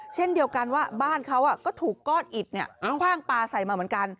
เช่นเดียวกันว่าบ้านเขาก็ถูกก้อนอิดคว่างปลาใส่มาเหมือนกัน